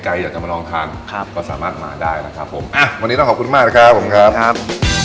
ใครอยากจะมาลองทานก็สามารถมาได้นะครับผมวันนี้ต้องขอบคุณมากนะครับผมครับ